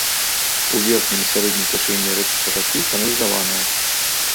У верхнім і сярэднім цячэнні рэчышча ракі каналізаванае.